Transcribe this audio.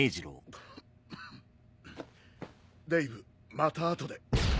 デイヴまた後で。